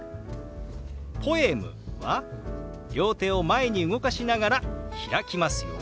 「ポエム」は両手を前に動かしながら開きますよ。